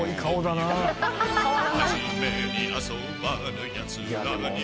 「真面目に遊ばぬ奴らには」